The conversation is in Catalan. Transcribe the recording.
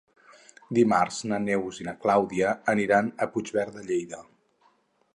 Dimarts na Neus i na Clàudia aniran a Puigverd de Lleida.